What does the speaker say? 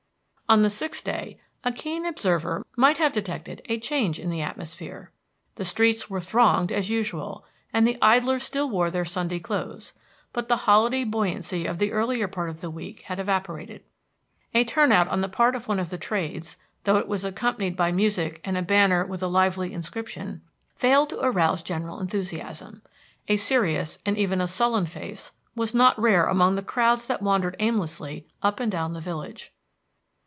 On the sixth day a keen observer might have detected a change in the atmosphere. The streets were thronged as usual, and the idlers still wore their Sunday clothes, but the holiday buoyancy of the earlier part of the week had evaporated. A turn out on the part of one of the trades, though it was accompanied by music and a banner with a lively inscription, failed to arouse general enthusiasm. A serious and even a sullen face was not rare among the crowds that wandered aimlessly up and down the village.